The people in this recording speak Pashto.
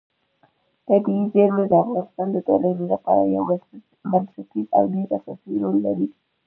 طبیعي زیرمې د افغانستان د ټولنې لپاره یو بنسټیز او ډېر اساسي رول لري.